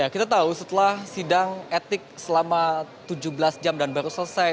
kita tahu setelah sidang etik selama tujuh belas jam dan baru selesai